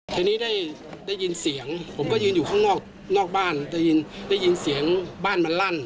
ทีนี้ได้ยินเสียงผมก็ยืนอยู่ข้างนอกบ้านได้ยินเสียงบ้านมันลั่น